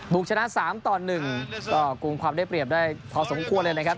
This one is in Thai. กชนะ๓ต่อ๑ก็กลุ่มความได้เปรียบได้พอสมควรเลยนะครับ